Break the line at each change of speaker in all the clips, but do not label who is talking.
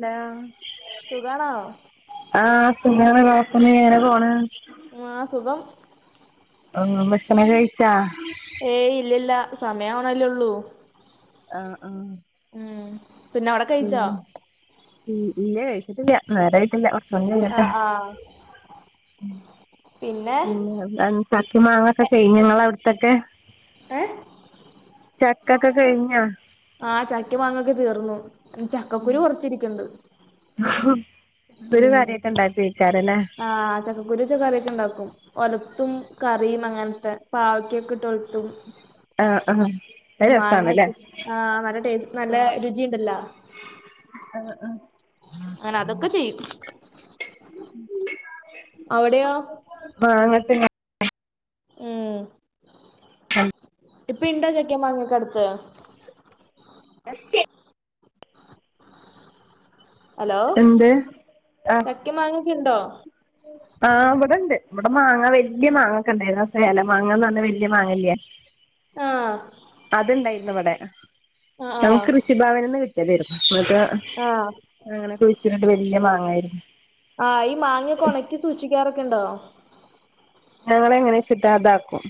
ലാ
സുഖാണോ?
ആഹ് സുഖാണ് കുഴപ്പൊന്നുമില്ല ഇങ്ങനെ പോണൂ
ആഹ് സുഖം
ആഹ് ഭക്ഷണം കഴിച്ചാ?
ഏയ് ഇല്ലില്ല സമയാവണല്ലേ ഉള്ളൂ.
ആഹ് ആഹ്
ഉം പിന്നെ അവിടെ
ഹ്മ്മ്
കഴിച്ചോ
ഹ്മ്മ് ഇല്ല കഴിച്ചിട്ടില്ല നേരായിട്ടില്ല [unintelligible] കേട്ടാ
ആഹ്
[unintelligible]
ആഹ് പിന്നെ
ആഹ് ചക്കിം മാങ്ങൊക്കെ കഴിഞ്ഞോ ഇങ്ങളവ്ട്ത്തൊക്കെ
ഏഹ്
കക്കെ കഴിഞ്ഞോ
ആഹ് ചക്കിം മാാങ്ങൊക്കെ തീർന്നു. ചക്കക്കുരു കൊറച്ചിരിക്ക്ണ്ട്
[inaudible] ഇതൊരു
ഉം
കാര്യായിട്ട് ഇണ്ടാക്കുയെക്കാരംല്ലേ
ആഹ് ചക്കുരു വെച്ച കറിയൊക്കെ ഇണ്ടാക്കും ഒലത്തും കറിം അങ്ങൻത്തെ പാവക്കൊക്കെ ഇട്ട് ഒൽത്തും
ആഹ് ആഹ് അത്
മാങ്ങ
രസാണല്ലേ
വെച്ച് ആഹ് നല്ല ടേസ്റ്റ് നല്ല രുചിയുണ്ടല്ലോ
ആഹ്
അങ്ങനെ
ആഹ്
അതൊക്കെ
[inaudible]
ചെയ്യും
[inaudible]
അവിടെയോ
[unintelligible]
ഏഹ്, [inaudible] ഇപ്പം ഇണ്ടോ ചക്കേം മാങ്ങക്കെ അടുത്ത്
[inaudible]
ഹലോ
എന്ത് ആഹ്
ചക്കിം മാങ്ങൊക്കെ ഇണ്ടോ
ആഹ് ഇവടെണ്ട്. ഇവിടെ മാങ്ങ വല്യ മാങ്ങക്കെണ്ടായിരുന്നു ആഹ് സേലം മാങ്ങന്ന് പറഞ്ഞ വല്യ മാങ്ങല്ലേ
ആഹ്
അത്ണ്ടായിരുന്നു ഇവടെ
ആഹ്
നമുക്ക്
ആഹ്
കൃഷിഭവന്ന്ന് കി [unintelligible] ഇങ്ങട്ട്
ആഹ്
അങ്ങനെ കുഴിച്ചിട്ട് വല്യ മാങ്ങായിരിക്കും
ആഹ് ഈ മാങ്ങക്കെ ഓണക്കി സൂക്ഷിക്കാറൊക്കെ ഇണ്ടോ
ഞങ്ങളെങ്ങനെച്ചിട്ടാതാക്കും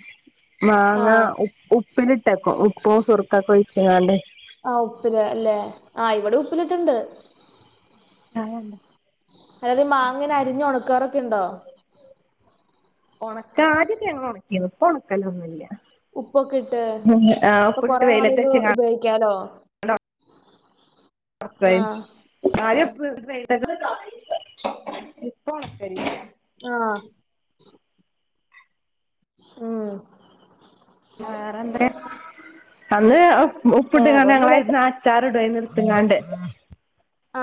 മാങ്ങ
ആഹ്
ഉ ഉപ്പിലിട്ടെക്കും ഉപ്പും സുറുക്കൊക്കെ ഒഴിച്ച്കാണ്ട്
ആഹ് ഉപ്പില് അല്ലെ ആ ഇവടെ ഉപ്പിലിട്ട്ണ്ട്.
ആഹ്
അതായത് ഈ മാങ്ങനെ അരിഞ്ഞ് ഒണക്കാറൊക്കെ ഇണ്ടോ
ഒണക്കാ ആദ്യക്കെ ണങ്ങള് ഒണക്കിന്നു ഇപ്പ ഒണക്കലൊന്നുല്ല
ഉപ്പൊക്കെ ഇട്ട്,
ആ
അപ്പൊ
ഉപ്പിലിട്ട്
കൊറെേ
വെയിലത്ത്
നാളുകള്
വെച്ച്ങ്ങാണ്ട്
ഉപയോഗിക്കാലോ ആഹ്
[unintelligible] ആദ്യം [unintelligible] ഇപ്പ ഒണക്കലില്ല.
ആഹ് ഹ്മ്മ്
വേറെന്തെ, അന്ന് ഉ ഉപ്പ്ട്ട് കാണ്ട്
വേറൊന്നുല്ലാത്ത
ഞങ്ങളായിരുന്ന ച്ചാറിടെന്നു ഇട്ത്ത് കാണ്ട്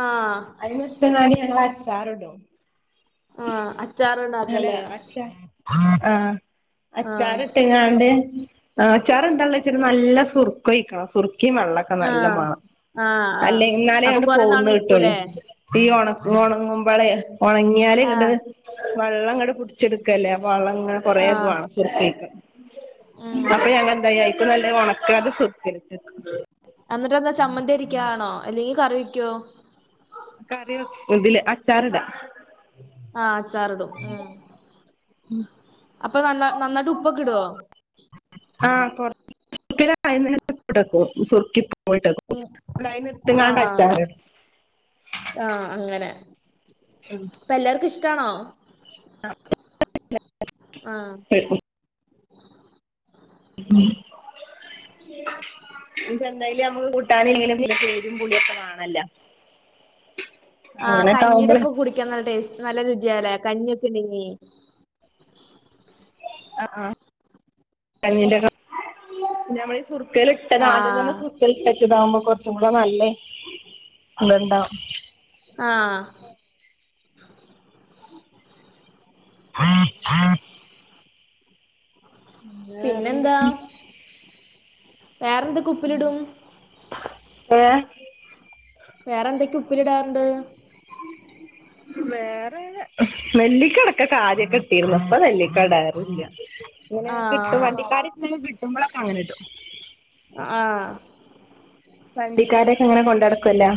ആഹ്
അയിന്ന് ഇട്ത്ത്കാണ്ട് ഞങ്ങളച്ചാറിടും.
ആഹ് അച്ച്
അല്ല അച്ചാ ആഹ്
ആഹ്
അച്ചാറ്ട്ട്കാണ്ട് ആഹ് അച്ചാറെന്താള്ളെച്ചാല് നല്ല സുർക്കൊഴിക്കണം സുർക്കി വെള്ള ള്ളം നല്ല
ആഹ്
മാണം
ആഹ് ആഹ്
അല്ലെ ഇന്നാലേ
അപ്പൊ
ആണ്ട്
കൊറേ നാള്
പോവ്ന്ന് കിട്ടൊള്ളൂ.
നിക്കൂലേ
ഈ ഒണ ഒണങ്ങുമ്പളേ ഒണങ്ങിയാല് ഇങ്ങട്ട്
ആഹ്
വള്ളങ്ങട്ട് പുടിച്ചെടുക്കല്ലേ അപ്പം വള്ളങ്ങനെ കൊറേ
ആഹ്
ഇതൊവാ സുറുക്കൊയിക്കണം.
ഉം
അപ്പൊ ഞങ്ങളെന്തായിഏറ്റം നല്ലെ ഒണക്കാതെ [unintelligible]
അന്നിട്ടെന്താ ചമ്മന്തിയരിക്കാണോ അല്ലെങ്കി കറിവെക്കോ
കറി വെക്ക് ഇതില് അച്ചാറിടാ
ആഹ് അച്ചാറിടും ഹ്മ്മ്. അപ്പൊ നന്നാ നന്നായിട്ട് ഉപ്പൊക്കെ ഇടോ
ആഹ് [unintelligible] സുർക്കി [unintelligible] പിന്നെ അയിന്ന് ഇട്ത്ത്ക്കാണ്ട്
ആഹ്
അച്ചാറിടും.
ആഹ് അങ്ങനെ
ആഹ്
ഇപ്പല്ലാർക്കും ഇഷ്ട്ടാണോ ആഹ്
ശബ്ദം ക്ലിയർ അല്ല ഉം ഇഞ്ഞ് ഇപ്പെന്തായാലും ഞമ്മക്ക് കൂട്ടാനെ അയ്ന് [inaudible] എരിം പുളിയൊക്കെ വാണല്ലോ
ആഹ്
ആവുമ്പള്
കഞ്ഞീടൊപ്പം കുടി ക്ക്യാൻ നല്ല ടേസ്റ്റ് നല്ല രുചിയാലേ കഞ്ഞിയൊക്കെ ഇണ്ടെങ്ങി
ആഹ് കഞ്ഞീന്റെ [inaudible] പിന്നമ്മള് സുർക്കേല്‌ട്ടത് ആദ്യം തന്നെ
ആഹ്
സുർ ക്കേല്ട്ടച്ചതാവുമ്പോ കൊറച്ചും കൂടെ നല്ല ഇത്ണ്ടാ
ആഹ്
ഉം ഉം
പിന്നെന്താ
വേറെന്തൊക്കെ
വേറെന്തെക്കെ ഉപ്പിലിടും
ഏഹ്
വേറെന്തെക്കെ ഉപ്പിലിടാറ്ണ്ട്
വേറെ നെല്ലിക്കടക്കൊക്കെ ആദ്യക്കെട്ടീര്ന്നു ഇപ്പ നെല്ലിക്ക ഇടാറില്ല്യ ഇങ്ങനെ കിട്ടും
ആഹ്
വണ്ടിക്കാരര്ത്ത്ന്നൊക്കെ കിട്ടുമ്പളങ്ങനെടും.
ആഹ്
വണ്ടിക്കാരൊക്കെ ഇങ്ങനെ കൊണ്ടടക്കൊല്ലോ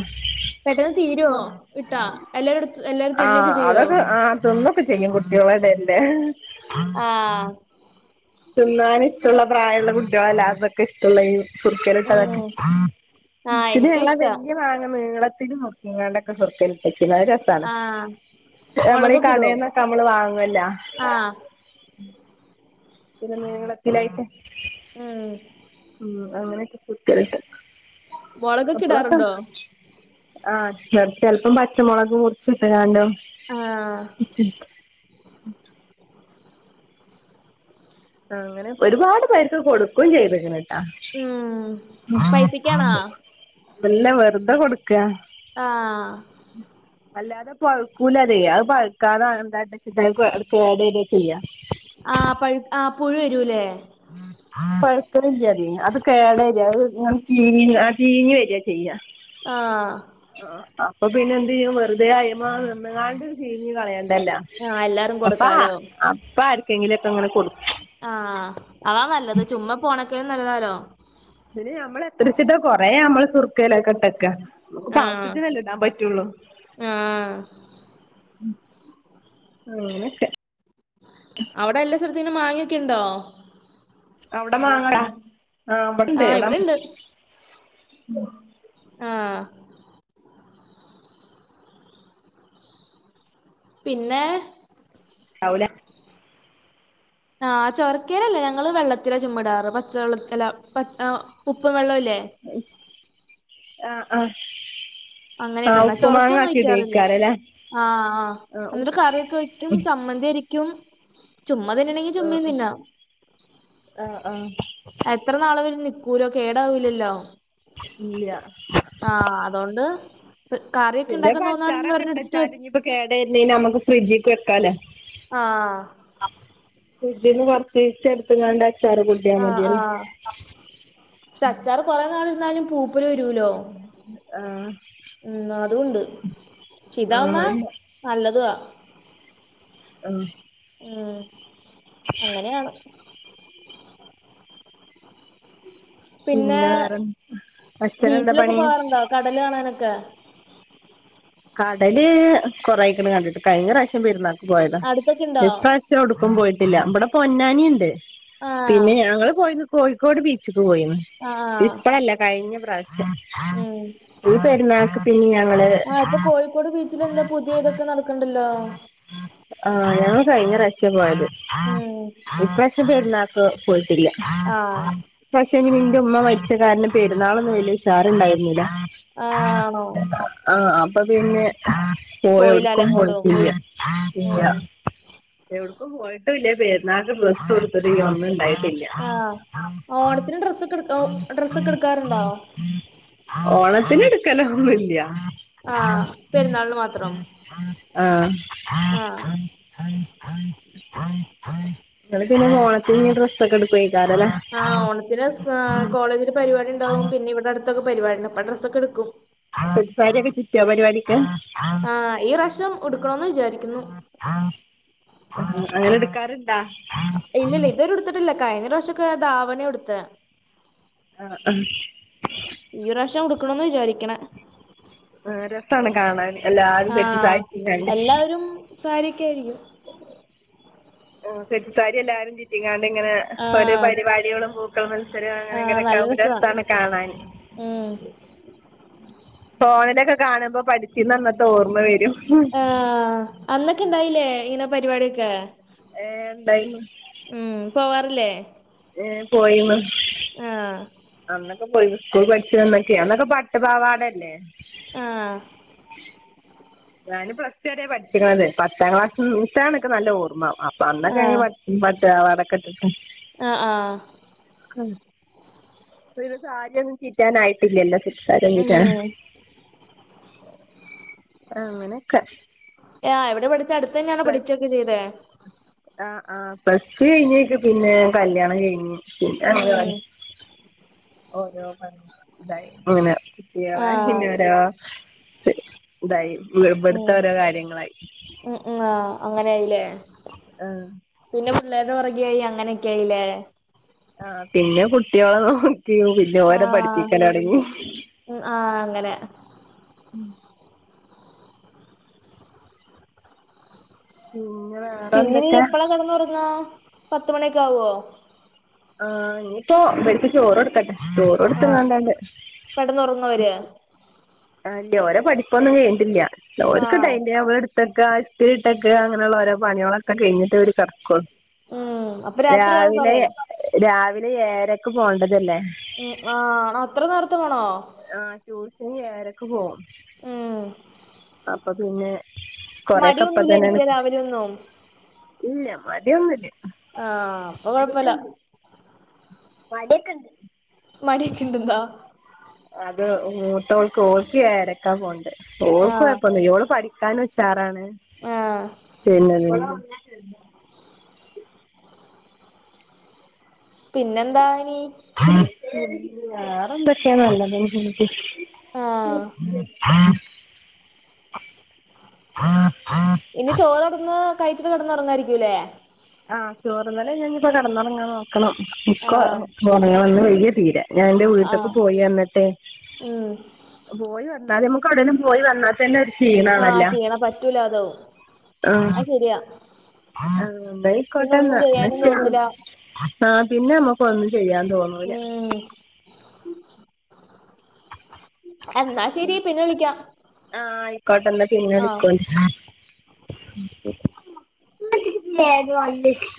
പെട്ടെന്ന് തീരുവോ ഇട്ടാ എല്ലാരും ഇട്ത് എല്ലാരും
ആ
തിന്നൊക്കെ ചെയ്യോ
അതൊക്കെ ആ തിന്നൊക്കെ ചെയ്യും കുട്യോളെ എടേല്ലെ
ആഹ്
തിന്നാൻ ഇഷ്ടള്ള പ്രായള്ള കുട്ട്യോളല്ലേ അതൊക്കെ ഇഷ്ടള്ളത് സുർക്കേല്ട്ടതെക്കെ
ഉം ആഹ്
പിന്നെ
എനിക്കും
ഞങ്ങളാ ആ
ഇഷ്ടാ.
വല്യ മാ ങ്ങ നീളത്തില് മുറിച്ച്ങ്ങാണ്ടക്കെ സുർക്കേല്ട്ടച്ചീന്നു അത് രസ് സാണ്
ആഹ്.
നമ്മളീ
മൊളകൊക്കെ ഇടുവോ?
കടേന്നൊക്കെ നമ്മള് വാങ്ങൊല്ലോ
ആഹ്.
ഇച്ചിരി നീളത്തിലായിട്ട്
ഉം.
ഉം അങ്ങനൊക്കെ സുർക്കേലിട്ടക്കും
മൊളകെക്കെ ഇടാറുണ്ടോ
ആഹ് ചെർ ചെലപ്പം പച്ച മൊളക് മുറിച്ച്ട്ട്ങാണ്ടും
ആഹ്
അങ്ങനെ ഒരുപാട് പേർക്ക് കൊടുക്കും ചെയ്ത്ക്ക്ണ്
ഉം. പൈസക്കാണോ?
ആഹ് ശരി അല്ല വെറ്തെ കൊടുക്ക
ആഹ്
അല്ലാതെ പഴുക്കൂലതേ അത് പഴ്ക്കാതേ എന്താട്ടച്ച്ട്ടാ അത് അത് കേട് വരാ ചെയ്യാ
ആഹ് പഴ് ആ പുഴു വരൂലേ
പഴുക്ക്ണില്ല്യതേ അത് കേടരാ അത്ങ്ങനെ ചീഞ്ഞ്ങ്ങ ആ ചീഞ്ഞ് വരാ ചെയ്യാ
ആഹ്
ആ അപ്പ പിന്നെ എന്ത് ചെയ്യും വെറുതെ അയ്മ നിന്ന്ങ്ങാണ്ട് ചീഞ്ഞ് കളയണ്ടല്ലാ
ആഹ് എല്ലാരും
അപ്പാ
കൊടുക്കാലോ.
അപ്പ ആര്ക്കെങ്കിലും ഒക്കെ ഇങ്ങനെ കൊട്
ആഹ് അതാ നല്ലത് ചുമ്മാ പോണെക്കായും നല്ലതാലോ
പിന്നെ ഞമ്മള് എത്രച്ച്ട്ടാ കൊറേ ഞമ്മള് സുർക്കേലൊക്കെ ഇട്ടക്കാ നമുക്ക് പ്പ
ആഹ്.
ആവശ്യത്തിനല്ലേ ഇടാൻ പറ്റുള്ളൂ
ആഹ്.
ഉം അങ്ങനെക്കെ
അവടെ എല്ലാ സ്ഥലത്തീനും മാങ്ങയൊക്കെണ്ടോ
അവടെ മാങ്ങ ആ ഇബടെണ്ട്
ആഹ് ഇവിടെണ്ട്. ആഹ് പിന്നെ
ആവൂലേ
ശബ്ദം ക്ലിയർ അല്ല ആ ചൊരക്കേലല്ലേ ഞങ്ങള് വെള്ളത്തിലാ ചുമ്മാ ഇടാറ് പച്ചവെള്ള അല്ല പച് ആ ഉപ്പും വെള്ളംല്ലേ
ആഹ ആഹ
അങ്ങനെ ഇടന്ന ചൊറക്കൊന്നും ഒഴിക്കാറില്ല ആഹ ആ
ആഹ് ഉ
എന്നിട്ട് കറിയൊക്കെ ഒ ചമ്മന്തി അരക്കും ചുമ തിന്നെണെങ്കിൽ ചുമ തിന്ന
ആഹ ആഹ
എത്ര നാളെ വര നിക്കൂലോ കേടാവിലല്ലോ?
ഇല്ല
ആഹ് അതുകൊണ്ട് കറിക്കെ
പിന്നെ
ഉണ്ടാക്കാൻ
ഇപ്പ
തോന്നാണെങ്കിൽ
അച്ചാറൊക്കെ
ഒരണ്ണം എടുത്ത് വെ
ഇട്ടച്ചാല് ഇനിയിപ്പോ കേട് വര്ണീന് ഞമ്മക്ക് ഫ്രിഡ്ജിക്ക് വെക്കാലെ
ആഹ
ഫ്രീഡ്ജ്ന്ന് കൊർചീചെട്ത്ത് ടത്താങ്ങാണ്ട് അച്ചാറ് കുട്ടിയാൽ
ആഹ്
മതിയല്ലോ?
കൊറെനാൾഇര്ന്നാലും പൂപ്പല് വരു ലോ
ആഹ്
ഉം അതുണ്ട്
ആഹ് അയ്ല്ല
നല്ലതുവാ
ഉം
ഉം അങ്ങനെയാണ്. പിന്നെ
അച്ഛനെന്താ
ബീച്ചിലൊക്കെ
പണി
പോവാറുണ്ടോ കടല് കാണാനൊക്കെ?
കടല് കൊറായിക്കണ കണ്ടിട്ട് കയ്ഞ്ഞ പ്രാവശ്യം പെരുന്നാക്ക് പോയതാ
അടുത്തൊക്കെ
ഇ
ഇണ്ടോ?
പ്രവശ്യ എവടുക്കും പോയിട്ടില്ല ഇവടെ പൊന്നാനിണ്ട്
ആഹ്
പിന്നെ ഞങ്ങള് പോയി നി കോഴിക്കോട് ബീച്ചക്ക് പോയിന്ന്
ആഹ്
ഇപ്പഴല്ല കഴിഞ്ഞ പ്രാവശ്യം
ഉം
ഈ പെരുന്നാൾക്ക് പിന്നെ ഞങ്ങള്
ആഹ് ഇപ്പൊ കോഴിക്കോട് ബീച്ചിൽ എന്താ പുതിയ ഇതൊക്കെ നടക്കണ്ടല്ലോ?
ആഹ ഞാൻ കഴിഞ്ഞ പ്രാവശ്യ പോയത്
ഉം
ഈ പ്രവശ്യ പെരുന്ന പോയിട്ടില്ല
ആഹ്
പക്ഷെ ഇന്റെ ഉമ്മ മരിച്ച കാരണം പെരുന്നാളൊന്നും വലിയ ഉഷാറണ്ടായിരുന്നില്ല ആ
ആണോ
ആ അപ്പൊ പിന്നെ ആ പോയി
പോയില്ലാലെ
എടുക്കും
അങ്ങോടും
പോയിട്ടില്ല ഇല്ല
ഉം
എവിടക്കും പോയിട്ടും ഇല്ല പരുന്നാക്ക് ഡ്രസ് എട്ത്തിട്ടില്ല ഒന്നും ഉണ്ടായിട്ടില്ല. [inaudible]
ആഹ് ഓണത്തിന് ഡ്രസ്സൊക്കെ എടുക്ക ഓ ഡ്രസ്സൊക്കെ എടുക്കാറുണ്ടോ
ഓണത്തിന് എടുക്കല ഒന്നുംല്ല
ആഹ് പെരുന്നാളിന് മാത്രം
ആഹ
ആഹ്
നിങ്ങൾ പിന്നെ ഓണത്തി ഡ്രസ്ക്കെ എടുക്കു അയ് കാരല്ലേ?
ആ ഓണത്തി ന് കോളേജി പരിപാടി ഉണ്ടാവും പിന്നെഇവിടെ അടുത്തൊക്കെ പരിവാടിണ്ടാകുംഅപ്പൊ ഡ്രസ്സൊക്കെ ടുക്കും
[inaudible] വെപ്പാരെ ഒക്കെ കിട്ടിയോ പരിപാടിക്ക്
ആഹ് ഈ പ്രാവശ്യം ഉടുക്കണോന്ന് വിചാരിക്കുന്നു
അങ്ങനെ എടുക്കാറ്ണ്ടോ?
ഇല്ലില്ല ഇതുവരെ കഴിഞ്ഞ പ്രാവശ്യമൊക്കെ ധാവണിയ ഉടുത്തെ
ആഹ ആഹ
ഈ പ്രാവശ്യം ഉടുക്കണന്ന് വിചാരിക്കണ
ആ രസണ് കാണാൻ എല്ലാരും സെറ്റ് സാരിടുത്താണ്ട്
സാരിക്കെയിരിക്കും
സെറ്റ്സാരി എല്ലാരും ചിറ്റിങ്ങാണ്ട്
ആഹ്
ഇങ്ങനോരോപരിപാടികളും പോ പൂക്കൾ മത്സരം അങ്ങനെരൊക്കെ രസാണ് കാണാൻ
ഉം
ഫോണിലൊക്കെ കാണുമ്പോ പഠിച്ചന്ന് അന്നത്തെ ഓർമ്മ വരും.
ആ അന്നൊക്കെ ഇണ്ടായില്ലേ ഇങ്ങനെ പരിപാടിയൊക്കെ?
ഏ ണ്ടൈനി
ഉം പോവാറില്ലേ?
ഏ പോയിനു
ആഹ്
അന്നൊക്കെ പോയി സ്കൂൾ പഠിച്ചന്നൊക്കെയ് അന്നൊക്കെ പട്ടു പാവാടല്ലേ
ആഹ്
ഞാന് പ്ലസ് റ്റു വരെ പഠിച്ചിക്ക്ണത് പത്താം ക്ലാസ്ത്താണ് ക്ക്‌ നല്ല ഓർമ്മ അപ്പൊ അന്നൊക്കെ പട്ട് പാവാട ഒക്കെ ഇട്ടിട്ട് [unintelligible]
ആഹ ആഹ
ആ [unintelligible] സാരി ഒന്നും ചിറ്റാന് ആയിട്ടില്ലല്ലോ [unintelligible] ചിറ്റ
ഉം
ആഹ അങ്ങനെ ഒക്കെ
ആഹ് എവിടെ പഠിച്ചെ അടുത്തന്നെയാണോ പഠിച്ചൊക്കെ ചെയ്തേ?
ആ ഹ് ആഹ് പ്ലസ് റ്റു കഴിഞ്ഞക്ക് പിന്നെ കല്യാണം കഴിഞ്ഞ് പിന്നെ
ഉം
അങ്ങനായി ഓരോ ഇതായി അങ്ങന കേള
ആഹ്
ഇന്നോരോ ഇതായി
ഉം
ഇപെടുത്തഓരോ കാര്യങ്ങളായി
ഉം ഉ ആ അങ്ങനായിലെ
ആഹ്
പിന്നെ പിള്ളേര്ടെ പുറകെ ആയി അങ്ങനൊക്കെ ആയില്ലെ
ആ പിന്നെ കുട്ടികളെ നോക്കിയു പിന്നെ ഓരെ പഠിപ്പിക്കൽ തൊടങ്ങി [inaudible]
ഉ ആഹ് അങ്ങനെ
പിങ്ങനെ [unintelligible]
പിന്നെ ഇനി എപ്പളാ കെടന്നുറങ്ങാ പത്തുമണിയൊക്കെ ആവൊ
ആഹ ഇനിയിപ്പൊ ഇവർക്ക് ചോറ് കൊടുക്കട്ടെ ചോറ് കൊടുത്ത് കാണ്ട്
കെടന്നൊറങ്ങവരെ [unintelligible]
ആല്ല്യ ഓരെ പഠിപ്പൊന്നും കഴിഞ്ഞിട്ടില്ല്യ ഓര്ക്ക്
ആഹ്
ടൈണ്ടേബിൾ ഇട്ടൊക്കെ ഇസ്ത്രി ഇട്ടൊക്കെ അങ്ങനെയുള്ള ഓരോ പണികളൊക്കെ കഴിഞ്ഞിട്ടേ ഓര് ഒള്ളു അവര് കെടക്കൊള്ളു.
ഉം അപ്പൊ രാത്രിയാവും
രാവിലെ
കൊറേ
രാവിലെ ഏഴരക്ക് പോണ്ടതല്ലേ.
ഉ ആ അത്ര നേരത്തെ പോണൊ
ആഹ് ട്യൂഷന് ഏഴയരക്ക് പോകും
ഉം
അപ്പൊ പിന്നെ കൊറെ ഒക്കെ ഇപ്പൊ
മടിയൊന്നുല്ല
തന്നെ അണ്
എനിക്ക് രാവിലെ ഒന്നും
ഇല്ല മടി ഒന്നൂല്ല
ആഹ് അപ്പൊ കൊഴപ്പില്ല
മടി ഒക്കെ ഉണ്ട്
മടി ഒക്കെ ഇണ്ട്ന്നാ
അത് മൂത്തോൾക്ക്‌ ഓൾക്ക് എഴരക്ക പോണ്ടെ ഓൾക്ക്
ആഹ്
കുഴപ്പൊന്നുല്ല ഓള് പഠിക്കാനും ഉഷാറാണ്
ആഹ്
പിന്നെ
പിന്നെന്താ ഇനീ
വേറെ എന്തൊക്കെ നല്ലത്
ആഹ്
ആഹ് [inaudible]
ഇനി ചോറ്ടന്ന് കഴിച്ചിട്ട് കെടന്ന് ഉ റങ്ങായിരിക്കൂല്ലേ
ആഹ് ചോറ്ന്നല് കഴിഞ്ഞാൽ ഇഞ്ഞ് ഇപ്പൊ കിടന്നുറങ്ങാൻ നോക്കണം ഇക്കൊ
ആഹ്
ഉറങ്ങണം ഇന്ന് വയ്യ തീരെ ഞാൻന്റെ വീട്ട്ക്ക്
ആഹ്
പോയി വന്നിട്ടെ
ഉം
പോയി വന്നാൽ നമുക്ക് എവിടേലും പോയി വന്നാ തന്നെ ഒരു
ആഹ്
ക്ഷീണാണല്ല
ക്ഷീണം പറ്റൂല അതാവും
ആഹ്
അത് ശരിയാ
ആഹ്
പിന്നെ
ന്നായിക്കോട്ടെ
ഒന്നും
എന്നാ
ചെയ്യാനും
ശരി
തോന്നൂല
ആഹ പിന്നെ നമ്മുക്ക് ഒന്നും ചെയ്യാൻ തോന്നൂല
ഉം എന്നാ ശരി പിന്നെ വിളിക്കാം
ആഹ ആയിക്കോട്ടെന്ന പിന്നെ
ആഹ്
വിളിക്കോണ്ടി അ [inaudible] ഇമ്മച്ചി [unintelligible]